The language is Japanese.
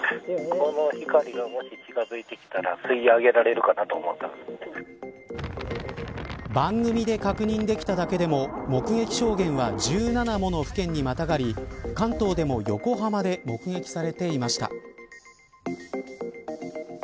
この光が近づいてきたら吸い上げられるかなと番組で確認できただけでも目撃証言は１７もの府県にまたがり関東でも横浜で目撃されていました。